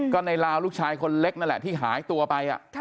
ก็ในลาวลูกชายคนเล็กนั่นแหละที่หายตัวไป